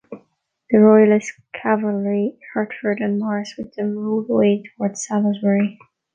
The Royalist cavalry, Hertford and Maurice with them, rode away towards Salisbury.